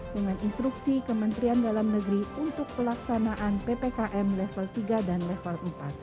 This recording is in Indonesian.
dengan instruksi kementerian dalam negeri untuk pelaksanaan ppkm level tiga dan level empat